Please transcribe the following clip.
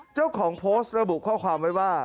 เจ้าของโพสต์ระบุข้อความไว้ว่า